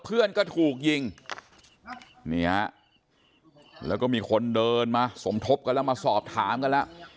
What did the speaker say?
เพื่อนก็ถูกยิงนี่ฮะแล้วก็มีคนเดินมาสมทบกันแล้วมาสอบถามกันแล้ว